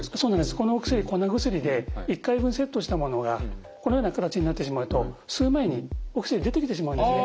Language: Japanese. このお薬粉薬で１回分セットしたものがこのような形になってしまうと吸う前にお薬出てきてしまうんですね。